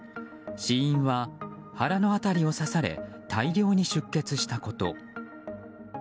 死因は腹の辺りを刺され大量に出血したこと。